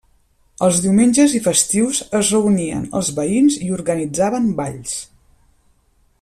Els diumenges i festius es reunien els veïns i organitzaven balls.